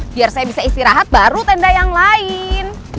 biar saya bisa istirahat baru tenda yang lain